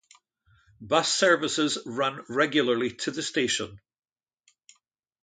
Bus Services run regularly to the station.